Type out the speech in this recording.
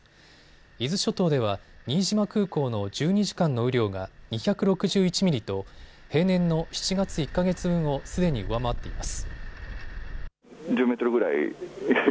伊豆諸島では新島空港の２４時間の雨量が２６１ミリと平年の７月１か月分をすでに上回っています。